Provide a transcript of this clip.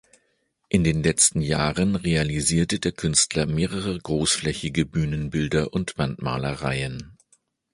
In den letzten Jahren realisierte der Künstler mehrere großflächige Bühnenbilder und Wandmalereien.